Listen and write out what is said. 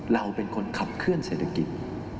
เราเป็นคนขับเคลื่อเศรษฐกิจ